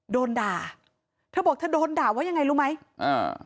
โดนด่าเธอบอกเธอโดนด่าว่ายังไงรู้ไหมอ่า